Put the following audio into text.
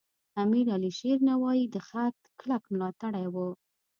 امیر علیشیر نوایی د خط کلک ملاتړی و.